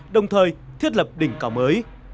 đồng thời thiết lập đỉnh cao mới